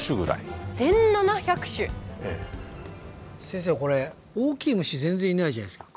先生これ大きい虫全然いないじゃないですか。